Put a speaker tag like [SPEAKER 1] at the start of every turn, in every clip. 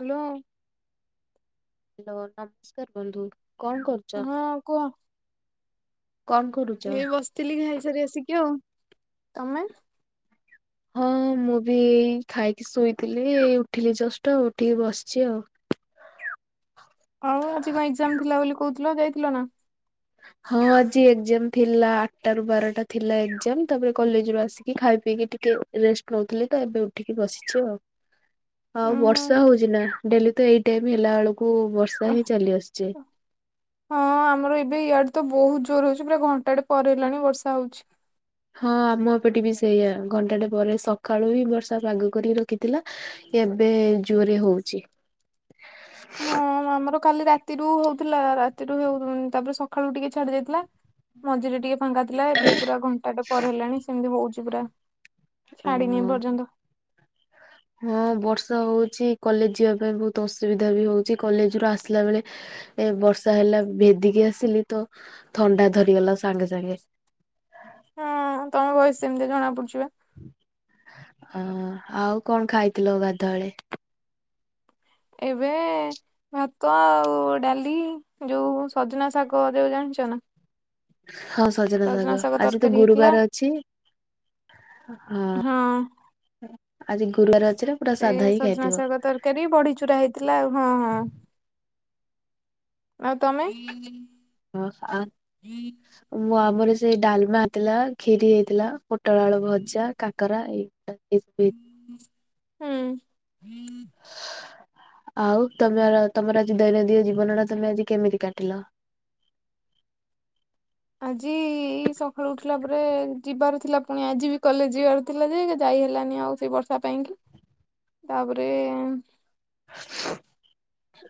[SPEAKER 1] Hello.
[SPEAKER 2] Hello, ନମସ୍କାର ବନ୍ଧୁ କଣ କରୁଚ?
[SPEAKER 1] ହଁ କୁହ।
[SPEAKER 2] କଣ କରୁ
[SPEAKER 1] ଏଇ ବସିଥିଲି ଘାଇସାରି ଆସିକି ଆଉ ତମେ?
[SPEAKER 2] ହଁ ମୁଁ ବି ଖାଇକି ଶୋଇଥିଲି ଉଠିଲି ଜଷ୍ଟ ଉଠିକି ବସିଛି ଆଉ।
[SPEAKER 1] ଆଉ ଆଜି କଣ ଏକ୍ଜାମ ଥିଲା ବୋଲି କହୁଥିଲ ଯାଇଥିଲ ନା?
[SPEAKER 2] ହଁ ଆଜି ଏକ୍ଜାମ ଥିଲା ଆଠଟା ରୁ ବାରଟା ଥିଲା ଏକ୍ଜାମ ତାପରେ କଲେଜରୁ ଆସିକି ଖାଇ ପିଇକି ଟି କେ ରେଷ୍ଟ ନଉଥିଲିତ ଏବେ ଉଠିକି ବସିଛି ଆଉ। ଆଉ
[SPEAKER 1] ଉହୁଁ
[SPEAKER 2] ବର୍ଷା ହଉଛି ନା ଡେଲି ତ ଏଇ ଟାଇମ ହେଲା ବେଳକୁ ବର୍ଷା ହିଁ ଚାଲି ଆସୁଛି।
[SPEAKER 1] ହଁ ଆମର ଏବେ ଇଆଡେ ତ ବହୁତ ଜୋର ହଉଛି ପୁରା ଘଣ୍ଟାଟେ ପରେ ହେଲାଣି ବର୍ଷା ହଉଛି।
[SPEAKER 2] ହଁ ଆମ ଏପଟେ ବି ସେଇୟା ଘଣ୍ଟାଟେ ପରେ ସକାଳୁ ହି ବର୍ଷା ପାଗ କରିକି ରଖିଥିଲା ଏବେ ଜୋରେ ହଉଛି।
[SPEAKER 1] ହଁ ଆମର କାଲି ରାତିରୁ ହଉଥିଲା ରାତିରୁ ହଉ ତାପରେ ସକାଳୁ ଟିକେ ଛାଡି ଯାଇଥିଲା। ମଝିରେ ଟିକେ ଫାଙ୍କା ଥିଲା ଏବେ ପୁରା ଘଣ୍ଟାଟେ ପରେ ହେଲାଣି ସେମିତି ହଉଛି ପୁରା। ଛାଡିିନି
[SPEAKER 2] ଅ
[SPEAKER 1] ଏପର୍ଯ୍ୟନ୍ତ।
[SPEAKER 2] ହଁ ବର୍ଷା ହଉଛି କଲେଜ ଯିବା ପାଇଁ ବହୁତ ଅସୁବିଧା ବି ହଉଛି କଲେଜ ରୁ ଆସିଲା ବେଳେ ଏ ବର୍ଷା ହେଲା ଭେଦିକି ଆସିଲି ତ ଥଣ୍ଡା ଧରିଗଲା ସାଙ୍ଗେ ସାଙ୍ଗେ।
[SPEAKER 1] ହଁ ତମ ଭଏସ୍ ସେମିତି ଜଣା ପଡୁଛି ବା।
[SPEAKER 2] ଅ ଆଉ କଣ ଖାଇଥିଲ ଗାଧୁଆବେଳେ?
[SPEAKER 1] ଏବେ ଭାତ ଆଉ ଡାଲି ଯୋଉ ସଜନା ଶାଗ ଯୋଉ ଜାଣିଛ ନା?
[SPEAKER 2] ହଁ ସଜନା ସାଗ
[SPEAKER 1] ଶାଗ
[SPEAKER 2] ଆଜି ତ
[SPEAKER 1] ତରକାରୀ ହେଇଥିଲା
[SPEAKER 2] ଗୁରୁବାର ଅଛି। ହଁ ଆଜି ଗୁରୁବାର ଅଛି ର।
[SPEAKER 1] ସେ ସଜନା ଶାଗ ତରକାରୀ ବଢି ଚୁରା ହେଇଥିଲା ଆଉ ହଁ ହଁ। ଆଉ ତମେ?
[SPEAKER 2] ମୁଁ ଆମର ସେଇ ଡାଲମା ହେଇଥିଲା ଖିରି ହେଇଥିଲା। ପୋଟଳଳୁ ଭଜା କାକରା ଏଇଗୁ। [unintelligible]
[SPEAKER 1] ହୁଁ।
[SPEAKER 2] ଆଉ ତମର ତମର ଆଜି ଦୈନନ୍ଦିନ ଜୀବନ ଟା ତମେ ଆଜି କେମିତି କାଟିଲ?
[SPEAKER 1] ଆଜି ଏଇ ସକାଳୁ ଉଠିଲା ପରେ ଯିବାର ଥିଲା ପୁଣି ଆଜି ବି କଲେଜ ଯିବାର ଥିଲା ଯେ ଯାଇ ହେଲାନି ଆଉ। ସେ ବର୍ଷା ପାଇଁକି ତାପରେ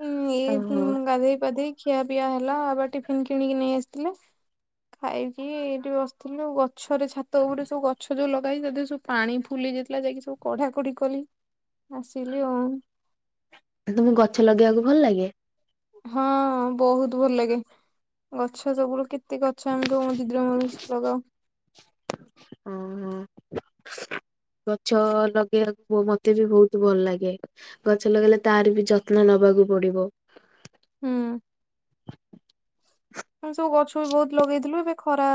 [SPEAKER 1] ଉଁ ଏଇ ଉଁ
[SPEAKER 2] ଓହୋ
[SPEAKER 1] ଗଧେଇପାଧେଇ ଖିଆ ପିଆ ହେଲା ଆବା ଟିଫିିନ କିଣିକି ନେଇ ଆସିଥିଲେ ଖାଇକି ଏଇଠି ବସିଥିଲୁ। ଗଛରେ ଛାତ ଉପରେ ସବୁ ଗଛ ଯୋଉ ଲ ଲଗା ହେଉଛି ତାଦିଅ ରେ ସବୁ ପାଣି ଫୁଲି ଯାଇଥିଲା ଯାଇକି ସବୁ କଢା କଢି କଲି ଆସିଲି ଆଉ।
[SPEAKER 2] ତମକୁ ଗଛ ଲଗେଇବାକୁ ଭଲ ଲାଗେ?
[SPEAKER 1] ହଁ ବହୁତ ଭଲ ଲାଗେ। ଗଛ ସବୁୁ କେତେ ଗଛ ଆମ ସବୁ ଦିଦି ମୋର ମିଶି ଲଗାଉ।
[SPEAKER 2] ହଁ ହ। ଗଛ ଲଗେଇବାକୁ ମତେ ବି ବହୁତ ଭଲ ଲାଗେ। ଗଛ ଲଗେଇଲେ ତାର ବି ଯତ୍ନ ନବାକୁ ପଡିବ।
[SPEAKER 1] ହୁଁ। ମୁ ସବୁ ଗଛ ବି ବହୁତ ଲଗେଇଥିଲୁ ଏବେ ଖରା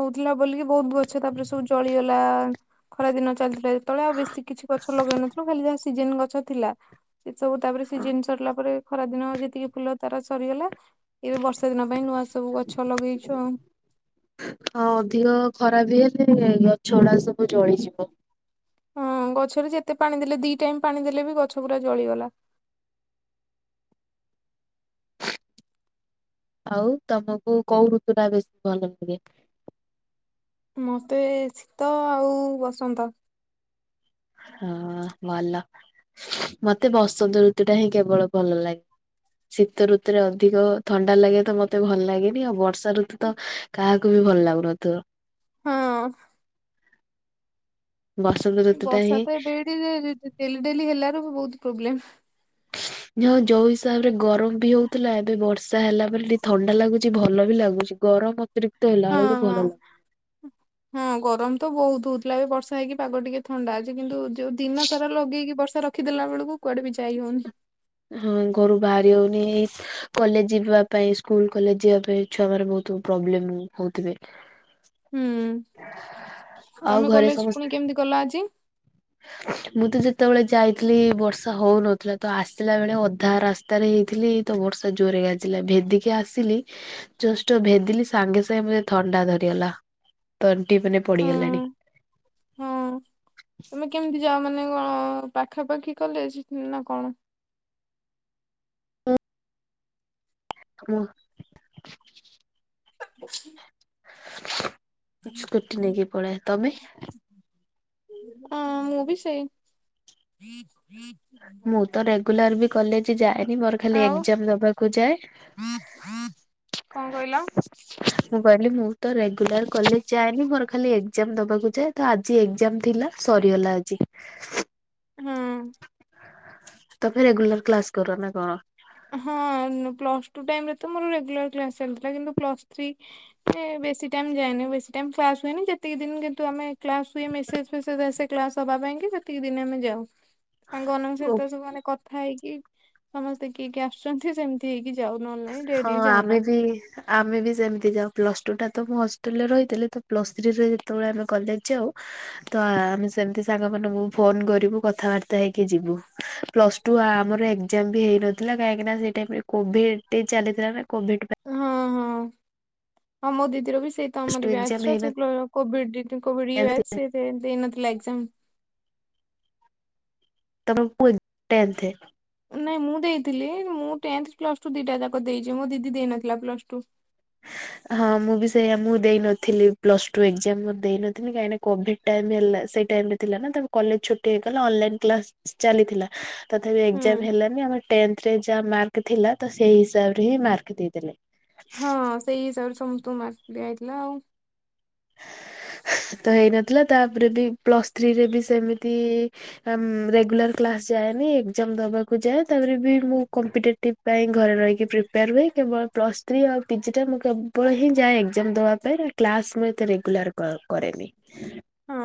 [SPEAKER 1] ହଉଥିଲା ବୋଲିକି ବହୁତ ଗଛ ତାପରେ ସବୁ ଜଳିଗଲା ଖରା ଦିନ ଚାଲିଥିଲା ସେତେବେଳେ ଆଉ ବେଶୀ କିଛି ଗଛ ଲଗେଇନଥିଲୁ ଖାଲି ଯାହା ସିଜେନ ଗଛ ଥିଲା। ସେ ସବୁ ତାପରେ ସି ଜିନ ସରିଲା ପରେ, ଖରା ଦିନ ଯେତିକି ଫୁଲ ତାର ସରିଗଲା। ଏବେ ବର୍ଷା ଦିନ ପାଇଁ ନୂଆ ସବୁ ଗଛ ଲଗେଇଛୁ ଆଉ।
[SPEAKER 2] ହଁ ଅଧିକ ଖରାପ ହେଲେ ଗଛ ଗୁଡ଼ା ସବୁ ଜଳିଯିବ।
[SPEAKER 1] ହଁ ଗଛରେ ଯେତେ ପାଣି ଦେଲେ ଦି ଟାଇମ୍ ପାଣି ଦେଲେ ବି ଗଛ ପୁରା ଜଳିଗଲା।
[SPEAKER 2] ଆଉ ତମକୁ କଉ ଋତୁ ଟା ବେଶୀ ଭଲ ଲାଗେ।
[SPEAKER 1] ମତେ ଶୀତ ଆଉ ବସନ୍ତ।
[SPEAKER 2] ହଁ ଭଲ ମତେ ବସନ୍ତ ଋତୁ ଟା ହିଁ କେବଳ ଭଲ ଲାଗେ। ଶୀତ ଋତୁରେ ଅଧିକ ଥଣ୍ଡା ଲାଗେ ତ ମତେ ଭଲ ଲାଗେନି ଆଉ ବର୍ଷା ଋତୁ ତ କାହାକୁ ବି ଭଲ ଲାଗୁନ ଥିବ।
[SPEAKER 1] ହଁ।
[SPEAKER 2] ବସନ୍ତ ଋତୁ ଟା
[SPEAKER 1] ବର୍ଷା
[SPEAKER 2] ହିଁ
[SPEAKER 1] ତ ଏବେ ଏଠି ଯେ ଡେଲି ଡେଲି ହେଲାର ବି ବହୁତ ପ୍ରୋବ୍ଲେମ।
[SPEAKER 2] ଯୋଉ ହିସାବରେ ଗରମ ବି ହଉଥିଲା, ଏବେ ବର୍ଷା ହେଲା ପରେ ଟିକେ ଥଣ୍ଡା ଲାଗୁଛି ଭଲ ବି ଲାଗୁଛି। ଗରମ ଅତିରିକ୍ତ ହେଲା
[SPEAKER 1] ହଁ
[SPEAKER 2] ବେଳକୁ ଭଲ
[SPEAKER 1] ହଁ।
[SPEAKER 2] ଲାଗଛି।
[SPEAKER 1] ହଁ ଗରମ ତ ବହୁତ ହଉଥିଲା ଏବେ ବର୍ଷା ହେଇକି ପାଗ ଟିକେ ଥଣ୍ଡା ଅଛି କିନ୍ତୁ। ଯୋଉ ଦିନ ସାରା ଲଗେଇକି ବର୍ଷା ରଖିଦଲା ବେଳକୁ କୁଆଡେ ବି ଯାଇ ହଉନି।
[SPEAKER 2] ହଁ ଘରୁ ବାହାରି ହଉନି। କଲେଜ ଯିବା ପାଇଁ ସ୍କୁଲ କଲେଜ ଯିବା ପାଇଁ ଛୁଆ ମାନ ବହୁତ ପ୍ରୋବ୍ଲେମ ହଉଥିବେ।
[SPEAKER 1] ହୁଁ
[SPEAKER 2] ଆଉ
[SPEAKER 1] ତମେ
[SPEAKER 2] ଘରେ
[SPEAKER 1] କଲେଜ
[SPEAKER 2] ସମସ୍ତେ
[SPEAKER 1] ପୁଣି କେମିତି ଗଲ ଆଜି।
[SPEAKER 2] ମୁଁ ତ ଯେତେବେଳେ ଯାଇଥିଲି ବର୍ଷା ହଉନଥିଲା ତ ଆସି ଆସିଲା ବେଳେ ଅଧା ରାସ୍ତାରେ ହେଇଥିଲି ତ ବର୍ଷା ଜୋରେ ଗାଜିଲା ଭେଦିକି ଆସିଲି। ଜଷ୍ଟ ଭେଦିଲି ସାଙ୍ଗେ ସାଙ୍ଗେ ମତେ ଥଣ୍ଡା ଧରିଗଲା ତଣ୍ଟି ମାନେ ପଡିଗଲାଣି।
[SPEAKER 1] ହୁଁ। ତମେ କେମିତି ଯାଅ ମାନେ କଣ, ପାଖାପାଖି କଲେଜ ନା କଣ?
[SPEAKER 2] ହଁ। ହୁଁ। ସ୍କୁଟି ନେଇେକି ପଳେ ତମେ।
[SPEAKER 1] ହଁ ମୁଁ ବିି ସେଇ।
[SPEAKER 2] ମୁଁ ତ ରେଗୁଲାର ବି କଲେଜ ଯାଏନି ମୋର ଖାଲି
[SPEAKER 1] ଆଉ
[SPEAKER 2] ଏକ୍ଜାମ ଦବାକୁ ଯାଏ।
[SPEAKER 1] କଣ କହିଲ?
[SPEAKER 2] ମୁଁ କହିଲି ମୁଁ ତ ରେଗୁଲାର କଲେଜ ଯାଏନି ମୋର ଖାଲି ଏକ୍ଜାମ ଦବାକୁ ଯାଏ। ତ ଆଜି ଏକ୍ଜାମ ଥିଲା, ସରିଗଲା ଆଜି।
[SPEAKER 1] ହୁଁ।
[SPEAKER 2] ତମେ ରେଗୁଲାର କ୍ଲାସ କର ନା କଣ?
[SPEAKER 1] ହଁ ପ୍ଲ ସ୍ ଟୁ ଟାଇମରେ ତ ମୋର ରେଗୁଲାର କ୍ଲାସ ଚାଲିଥିଲା କିନ୍ତୁ, ପ୍ଲ ଶ୍ ଥ୍ରୀ ଏ ବେଶୀ ଟାଇମ ଯାଏନି ବେଶୀ ଟାଇମ କ୍ଲାସ ହୁଏନି। ଯେତିକି ଦିନ କିନ୍ତୁ, ଆମେ କ୍ଲାସ ହୁଏ ମେସେଜ ଫେସେଜ ଆସେ କ୍ଲାସ ହବା ପାଇଁ କି ସେତିକି ଦିନି ଆମେ ଯାଉ। ସାଙ୍ଗମାନଙ୍କ
[SPEAKER 2] ଓ
[SPEAKER 1] ସହିତ ସବୁ ମାନେ କଥା ହେଇକି ସମସ୍ତେ କିଏ କିଏ ଆସୁଛନ୍ତି, ସେମ ତି ହେକି ଯାଉ ନହେଲେନାଇ
[SPEAKER 2] ହଁ
[SPEAKER 1] ଡେ଼ଲି
[SPEAKER 2] ଆମେ
[SPEAKER 1] ଯାଉନା।
[SPEAKER 2] ବି ଆମେ ବି ସେମିତି ଯାଉ ପ୍ଲ ସ ଟୁ ଟା ତ ମୁଁ ହଷ୍ଟେଲରେ ରହିଥିଲି, ତ ପ୍ଲ ସ୍ ଥ୍ରୀରେ ଯେତେବେଳେ ଆମେ କଲେଜ ଯାଉ, ତ ଆମେ ସେମତି ସାଙ୍ଗମାନଙ୍କୁ ଫୋନ କରିବୁ କଥାବାର୍ତ୍ତା ହେଇକି ଯିବୁ, ପ୍ଲସ ଆମର ଏକ୍ଜାମ ବି ହେଇନଥିଲା, କାହିଁକିନା ସେଇ ଟାଇମରେ କୋଭିଡ଼ ଚାଲିଥିଲା ନା କୋଭିଡ଼ ପା
[SPEAKER 1] ହଁ -ହଁ -ହଁ ମୋ ଦିଦିର ବି ସେଇ
[SPEAKER 2] ପ୍ଲସ ଟୁ
[SPEAKER 1] ତମରି
[SPEAKER 2] ଏକ୍ଜାମ
[SPEAKER 1] ବ୍ୟାଚ ର ସେ
[SPEAKER 2] ହେଇନଥିଲା
[SPEAKER 1] କୋଭିଡି଼ ଦେଇନଥିଲା ଏକଜାମ୍।
[SPEAKER 2] ତମ ପୁଅ ଟେନ୍ଥେ
[SPEAKER 1] ନାଇଁ ମୁଁ ଦେଇଥିଲି ମୁଁ ଟେନ୍ଥ ପ୍ଲସଟୁ ଦିଇଟା ଯାକ ଦେଇଚି ମୋ ଦିଦି ଦେଇନଥିଲା ପ୍ଲସ ଟୁହ
[SPEAKER 2] ହଁ ମୁଁ ବି ସେୟଆ ମୁଁ ଦେଇନଥିଲି ପ୍ଲସ ଟୁ ଏଗଜାମ ଦେଇନଥିଲି କାହିଁକିନା କୋଭିଡ ଟାଇମ ହେଲା ସେଇ ଟାଇମ ବି ଥିଲାନା ତା କଲେଜ୍ ଛୁଟି ହେଇଗଲା ଅନଲାଇନ କ୍ଲାସ୍ ଚାଲିଥିଲା ତଥାପି
[SPEAKER 1] ହୁଁ
[SPEAKER 2] ଏଗଜାମ ହେଲାନି ଆମର ଟେନ୍ଥରେ ଯାହା ମାର୍କ ଥିଲା ତ ସେଇ ହିସାବରେ ହିଁ ମାର୍କ ଦେଇଦେଲେ।
[SPEAKER 1] ହଁ ସେଇ ହିସାବରେ ସମସ୍ତଙ୍କୁ ମାର୍କ ଦିଆହେଇଥିଲା।
[SPEAKER 2] ତ ହେଇନଥିଲା ତାପରେ ବି ପ୍ଲସ୍ ଥ୍ରୀରେ ବି ସେମିତି ଆଁ ରେଗୁଲାର କ୍ଲାସ ଯାଏନି ଏଗଜାମ ଦବାକୁ ଯାଏ ତାପରେ ବି ମୁଁ କମ୍ପିଟେଟିବ ପାଇଁ ଘରେ ରହିକି ପ୍ରିପେୟାର ହୁଏ କେବଳ ପ୍ଲସ୍ ଥ୍ରୀ ଆଉ ପି ଜିଟା ମୁଁ କେବଳ ହିଁ ଯାଏ ଏଗଜାମ ଦବା ପାଇଁ ଆ କ୍ଲାସ ମୁଁ ଏତେ ରେଗୁଲାର କର କରେନି।
[SPEAKER 1] ହଁ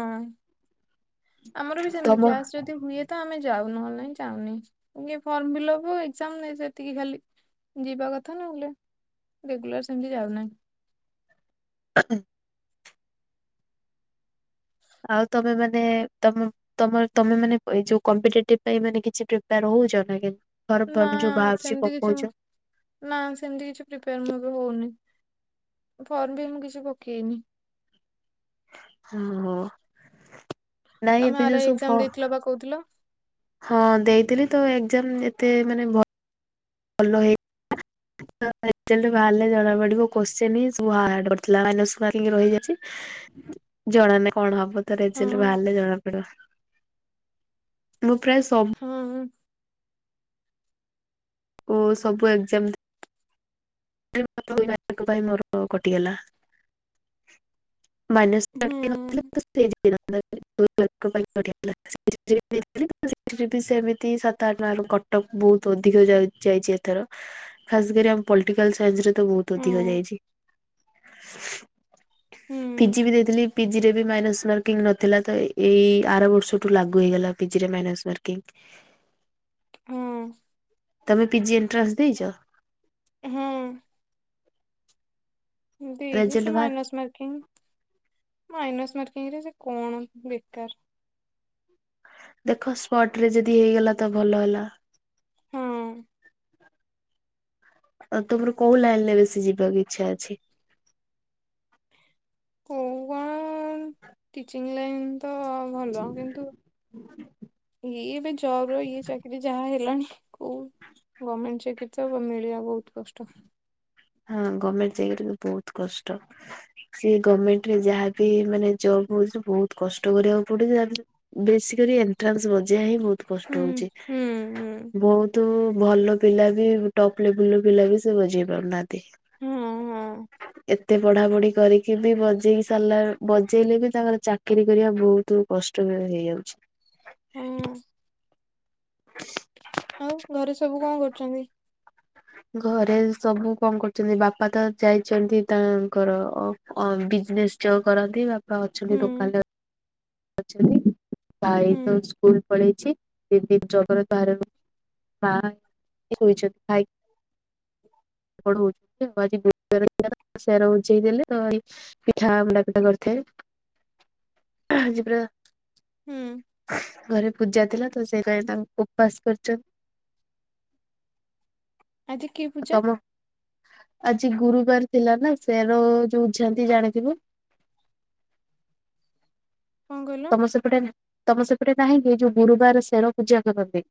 [SPEAKER 1] ଆମର ବି ସେମତି
[SPEAKER 2] ତମ
[SPEAKER 1] କ୍ଲାସରେ ହୁଏ ତ ଆମେ ଯାଉ ନହେଲେ ନାଇଁ ଯାଉନି ଇଏ ଫର୍ମ ଫିଲପକୁ ଏକଜାମ୍ ନାଇ ସେତିକି ଖାଲି ଯିବା କଥା ନହେଲେ ରେଗୁଲାର ସେମତି ଯାଉନାହିଁ।
[SPEAKER 2] ଉଁ। ଆଉ ତମେମାନେ ତମ ତମର ତମେ ମାନେ ଏଇ ଯୋଉ କମ୍ପିଟେଟିଭ୍ ପାଇଁ କିଛି ପ୍ରିପେୟାର ହୋଉଚ ନାଇ କେ ଫର
[SPEAKER 1] ନା
[SPEAKER 2] ଫର୍ମ ଯୋଉ ବାହାରୁଚି
[SPEAKER 1] ସେମିତି କିଛି ମୁଁ-
[SPEAKER 2] ପକୋଉଚ
[SPEAKER 1] ନା ସେମତି କିଛି ପ୍ରିପେୟାର ମୁଁ ଏବେ ହୋଉନି ଫର୍ମ ବି ମୁଁ କିଛି ପକେଇନି।
[SPEAKER 2] ଓହୋ ନାଇଁ ଏବେ ଯୋଉ ସବୁ ଫ
[SPEAKER 1] ପା ପକୋଉଥୁଲ
[SPEAKER 2] ହଁ ଦେଇଥିଲି ତ ଏଗଜାମ ଏତେ ମାନେ ଭ ଭଲ ହେଇ [inaudible] ରେଜଲ୍ଟ ବାହାରିଲେ ଜଣା ପଡି଼ବ କୋଶ୍ଚେନି ସବୁ ହାଡ଼ ପଡ଼ଥିଲା ମାଇନସ ମାର୍କିଙ୍ଗ ରହିଯାଉଚି। ଜଣାନାଇଁ କଣ ହବ? ତ
[SPEAKER 1] ହଁ
[SPEAKER 2] ରେଜଲ୍ଟ ବାହାରିଲେ ଜଣାପଡି଼ବ ମୁଁ ପ୍ରାୟ ସବୁ
[SPEAKER 1] ହଁହଁ।
[SPEAKER 2] ଓ ସବୁ ଏକଜାମ୍ [unintelligible] ପାଇଁ ମୋର କଟିଗଲା‌‌। ମାଇନସ
[SPEAKER 1] ହୁଁ
[SPEAKER 2] ମାର୍କିଙ୍ଗ ନଥିଲେ
[SPEAKER 1] ହୁଁ
[SPEAKER 2] ତ [unintelligible] ଦୁଇ ମାର୍କ ପାଇଁ କଟିଗଲା। ସେଥିଲାଗି ସେଥିରେ ବି ସେମିତି ସାତ ଆଠ ମାର୍କ କଟଅଫ ବୋହୁତ ଅଧିକ ଯା ଯାଇଚି ଏଥର। ଖାସ କରି ଆମ ପଲିଟିକାଲ ସାଇନ୍ସରେ ତ ବୋହୁତ ଅଧିକ ଯାଇଚି।
[SPEAKER 1] ହୁଁ
[SPEAKER 2] ପିଜି ବି ଦେଇଥିଲି। ପିଜିରେ ବି ମାଇନସ୍ ମାର୍କିଂ ନଥିଲା ତ ଏଇ ଆର ବର୍ଷଠୁ ଲାଗୁ ହେଇଗଲା ପିଜିରେ ମାଇନସ୍ ମାର୍କିଂ।
[SPEAKER 1] ହୁଁ।
[SPEAKER 2] ତମେ ପିଜି ଏଣ୍ଟ୍ରାନ୍ସ ଦେଇଚ?
[SPEAKER 1] ହୁଁ। ଏମତି ହେଇଚି
[SPEAKER 2] ରେଜଲ୍ଟ
[SPEAKER 1] ସେ
[SPEAKER 2] ବାହାର
[SPEAKER 1] ମାଇନସ୍ ମାର୍କିଂ। ମାଇନସ୍ ମାର୍କିଂରେ ସେ କଣ ବେକାର।
[SPEAKER 2] ଦେଖ ସ୍ପଟରେ ଯଦି ହେଇଗଲା ତ ଭଲ ହେଲା।
[SPEAKER 1] ହଁ।
[SPEAKER 2] ଆଉ ତମର କୋଉ ଲାଇନରେ ବେଶୀ ଯିବାକୁ ଇଚ୍ଛା ଅଛି?
[SPEAKER 1] କୋଉ କଣ ଟିଚିଂ ଲାଇନ୍ ତ ଭଲ କିନ୍ତୁ ଇଏ ଏବେ ଜବର ଇଏ ଚାକିରି ଯାହା ହେଲାଣି କୋଉ ଗର୍ମେଣ୍ଟ ଚାକିରି ତ ମିଳଆ ବୋହୁତ କଷ୍ଟ।
[SPEAKER 2] ହଁ ଗମେଣ୍ଟ ଚାକିରି ବୋହୁତ୍ କଷ୍ଟ। ସିଏ ଗରମେଣ୍ଟରେ ଯାହାବି ମାନେ ଜବ୍ ହଉଛି ବହୁତ କଷ୍ଟ କରିବାକୁ ପଡୁଛି ତା ବେସିକରି ଏଣ୍ଟ୍ରାନ୍ସ ବଜେଇଆ ହିଁ ବହୁତ୍
[SPEAKER 1] ହୁଁ
[SPEAKER 2] କଷ୍ଟ ହଉଛି
[SPEAKER 1] ହୁଁ ହୁଁ
[SPEAKER 2] ବହୁତ୍ ତୁ ଭଲ ପିଲା ବି ଟପ୍ ଲେବୁଲ୍ ର ପିଲା ବି ସେ ବଜେଇ ପାରୁନାହା
[SPEAKER 1] ହଁ ହଁ।
[SPEAKER 2] ଏତେ ପଢାପଢି କରିକି ବି ବଜେଇ ସାରିଲା ବଜେଇଲେ ବି ତାଙ୍କର ଚାକିରି କରିବା ଭୋଉତୁ କଷ୍ଟମୟ ହେଇଯାଉଛି।
[SPEAKER 1] ହୁଁ। ଆଉ ଘରେ ସବୁ କଁ କରୁଚନ୍ତି।
[SPEAKER 2] ଘରେ ସବୁ କଁ କରୁଚନ୍ତି ବାପା ତ ଯାଇଚନ୍ତି ତା ଙ୍କର ଅ ବିଜନେସ୍ ଯୋଉ କରନ୍ତି ବାପା ଅଛନ୍ତି
[SPEAKER 1] ହୁଁ
[SPEAKER 2] ଦୋକାନରେ ଅଛନ୍ତି ଭାଇ ତ
[SPEAKER 1] ହୁଁ
[SPEAKER 2] ସ୍କୁଲ୍ ପଳେଇଛି ଦିଦି [unintelligible] [unintelligible] ବୁଝାଇଦେଲେ ତ ଏଇ ପିଠା ମଣ୍ଡା ପିଠା କରିଥାଏ ସେ ପୁରା
[SPEAKER 1] ହୁଁ।
[SPEAKER 2] ଘରେ ପୂଜା ଥିଲା ତ ସେଇ ପାଇଁ ତାଙ୍କୁ ଉପବାସ କରିଚନ୍ତି।
[SPEAKER 1] ଆଜି କି ପୂଜା?
[SPEAKER 2] ତମ ଆଜି ଗୁରୁବାର ଥିଲା ନା ସେ ର ଉଝାନ୍ତି ଜାଣିଥିବ।
[SPEAKER 1] କଁ କହିଲ?
[SPEAKER 2] ତମ ସେପଟେ ତମ ସେପଟେ ନାହିଁକି ଏ ଯୋଉ ଗୁରୁବାର ଶେର ପୂଜା କରନ୍ତି।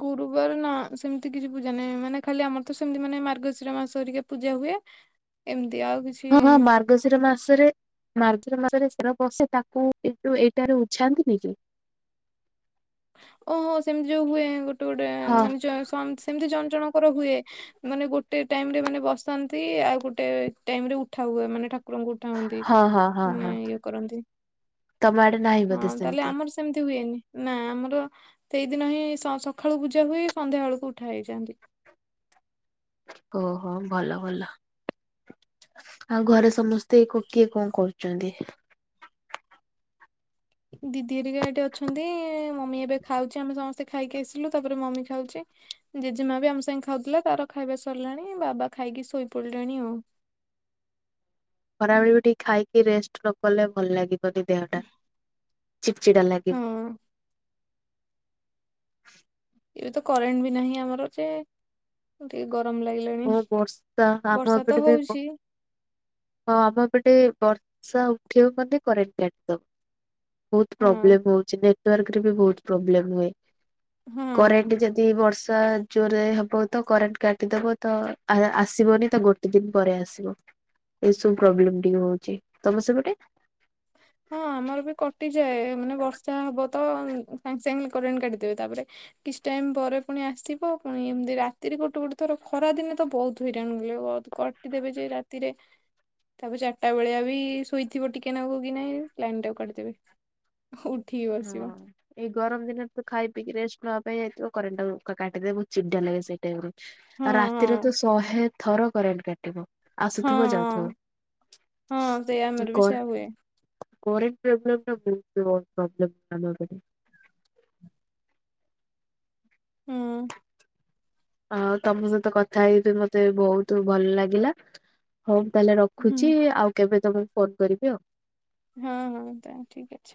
[SPEAKER 1] ଗୁରୁବାର ନା ସେମିତି କିଛି ପୂଜା ନାହିଁ, ମାନେ ଖାଲି ଆମର ତ ସେମିତି ମାନେ ମାର୍ଗଶିର ମାସ ହେରିକା ପୂଜା ହୁଏ। ଏମ୍ତି ଆଉ କିଛି
[SPEAKER 2] ହଁ ହଁ ମାର୍ ର୍ଗଶିର ମାସରେ [unintelligible] ମାସରେ ସେର ବସେ ତାକୁ ଏ ଯୋଉ ଏଇଟାରେ ଉଝାନ୍ତିନି କି?
[SPEAKER 1] ଓହୋ ସେମ୍ତି ଯୋଉ ହୁଏ ଗୋଟେଗୋଟେ।
[SPEAKER 2] ହଁ।
[SPEAKER 1] ଜ ସମ୍ ସମ୍ତି ଜଣ ଜଣଙ୍କର ହୁଏ। ମାନେ ଗୋଟେ ଟାଇମ୍ ରେ ମାନେ ବସାନ୍ତି ଆଉ ଗୋଟେ ଟାଇମ୍ ରେ ଉଠା ହୁଏ ମାନେ ଠା କୁରଙ୍କୁ ଉଠାନ୍ତି
[SPEAKER 2] ହଁ ହଁ ହଁ
[SPEAKER 1] ମାନେ
[SPEAKER 2] ହଁ
[SPEAKER 1] ଇଏ କରନ୍ତି,
[SPEAKER 2] ତମ ଆଡେ ନାହିଁ ବୋଧେ
[SPEAKER 1] ହଁ ତାହେଲେ
[SPEAKER 2] ସେମିତି
[SPEAKER 1] ଆମର୍ ସେ ମ୍ତି ହୁଏନି ନା ଆମର ସେଇଦିନ ହିଁ ସ ସଖାଳୁ ପୂଜା ହୁଏ ସନ୍ଧ୍ୟାବେଳକୁ ଉଠା ହେଇଯାନ୍ତି।
[SPEAKER 2] ଓହୋ ଭଲ ଭଲ। ଆଉ ଘରେ ସମସ୍ତେ କୋ କିଏ କଁ କରୁଚନ୍ତି?
[SPEAKER 1] ଦିଦି ହେରିକା ଏଠି ଅଛନ୍ତି ମମି ଏବେ ଖାଉଚି ଆମେ ସମସ୍ତେ ଖାଇକି ଆସିଲୁ ତାପରେ ମମି ଖାଉଚି। ଜେଜେମା ବି ଆମ ସାଙ୍ଗେ ଖାଉଥିଲା ତାର ଖାଇବା ସରିଲାଣି ବାବା ଖାଇକି ଶୋଇପଡିଲେଣି ଆଉ।
[SPEAKER 2] ଖରାବେଳେ ବି ଟିକେ ଖାଇକି ରେଷ୍ଟ ନ କଲେ ଭଲ ଲାଗିବନି ଦେହଟା ଚିଡ୍ ଚିଡା ଲାଗେ।
[SPEAKER 1] ହଁ ଏବେ ତ କରେଣ୍ଟ ବି ନାହିଁ ଆମର ଯେ ଟିକେ ଗରମ ଲାଗି ଲାଣି
[SPEAKER 2] ହଁ ବର୍ଷା ଆମ
[SPEAKER 1] ବର୍ଷା
[SPEAKER 2] ଏପଟେ
[SPEAKER 1] ତ
[SPEAKER 2] ବି ବ-
[SPEAKER 1] ହଉଛି।
[SPEAKER 2] ହଁ ଆମ ପଟେ ବର୍ଷା ଉଠିବ ମାନେ କରେଣ୍ଟ କାଟିଦବ। ବୋହୁତ୍
[SPEAKER 1] ହଁ
[SPEAKER 2] ପ୍ରୋବ୍ଲେମ୍ ହଉଛି ନେଟ୍ୱାର୍କରେ ବି ବହୁ ପ୍ରୋବ୍ଲେ ହୁଏ
[SPEAKER 1] ହଁ।
[SPEAKER 2] କରେଣ୍ଟ ଚା ଦି ବର୍ଷା ଜୋରରେ ହବ ତ କରେଣ୍ଟ କାଟିଦବ। ତ ଆ ଆସିବନି ତ ଗୋଟେ ଦିନ ପରେ ଆସିବ। ଏସବୁ ପ୍ରୋବ୍ଲେମ ଟିକେ ହଉଛି ତମ ସେପଟେ।
[SPEAKER 1] ହଁ ଆମର ବି କଟିଯାଏ ମାନେ ବର୍ଷା ହବ ତ ସାଙ୍ଗେ-ସାଙ୍ଗେ କରେଣ୍ଟ କାଟିିଦେବେ ତାପରେ କିଛି ଟାଇମ୍ ପରେ ପୁଣି ଆସିବ ପୁଣି ଏମ୍ତି ରାତିରେ ଗୋଟେ-ଗୋଟେ ଥର ଖରା ଦିନେ ତ ବହୁତ୍ ହେଇରାଣ [unintelligible] କଟିଦେବେ ଯେ ରାତିରେ ତାପରେ ଚାରିଟା ବେଳିଆ ବି ଶୋଇଥିବ ଟିକେ ନା [unintelligible] ଲାଇନ୍ ଟାକୁ କାଟିଦେବେ। ଉଠିକି ବସିବ।
[SPEAKER 2] ହଁ। ଏଇ ଗରମ୍ ଦିନେରେ ତ ଖାଇ ପିଇକି ରେଷ୍ଟ ନବା ପାଇଁ ଯାଇଥିବ କରେଣ୍ଟ ଟା କାଟିଦେବେ ବହୁତ୍ ଚିଡ଼ା ଲାଗେ ସେଇ ଟାଇମ୍ ରେ।
[SPEAKER 1] ହଁ
[SPEAKER 2] ଆଉ
[SPEAKER 1] ହଁ
[SPEAKER 2] ରାତିରେ ତ ଶହେ ଥର କରେଣ୍ଟ କାଟିବେ।
[SPEAKER 1] ହଁ
[SPEAKER 2] ଆସୁଥିବ ଯାଉଥିବ,
[SPEAKER 1] ହଁ ହଁ ସେଇ ଆମର ବି
[SPEAKER 2] କର
[SPEAKER 1] ସେୟା ହୁଏ
[SPEAKER 2] କରେନ୍ଟ୍ ପ୍ରୋବ୍ଲେମ୍ ଟା ବହୁତ୍ [inaudible]
[SPEAKER 1] ହୁଁ।
[SPEAKER 2] ଆଉ ତମ ସହିତ କଥା ହେଇ ଏବେ ମତେ ବହୁତୁ ଭଲ୍ ଲାଗିଲା। ହଉ ମୁଁ ତାହେଲେ
[SPEAKER 1] ହୁଁ
[SPEAKER 2] ରଖୁଚି, ଆଉ କେବେ ତମୁକୁ ଫୋନ୍ କରିବି।
[SPEAKER 1] ହଁ-ହଁ [inaudible]